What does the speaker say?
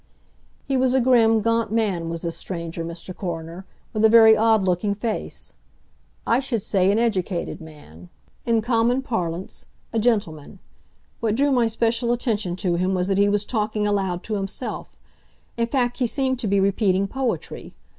"He was a grim, gaunt man, was this stranger, Mr. Coroner, with a very odd looking face. I should say an educated man—in common parlance, a gentleman. What drew my special attention to him was that he was talking aloud to himself—in fact, he seemed to be repeating poetry.